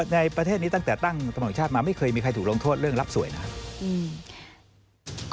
ในประเทศนี้ตั้งแต่ตั้งตำรวจชาติมาไม่เคยมีใครถูกลงโทษเรื่องรับสวยนะครับ